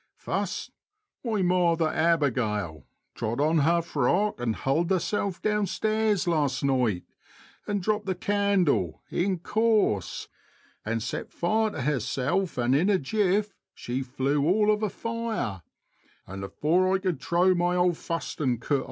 First, my mawther,t Abegel, trod on har frock, and hulled J herself down stairs last nite, and dropped the candle, in coarse, and set fire to harself, and in a jif she flew all of a fire, and afore I could trow my old fustin coat outer * Gossip.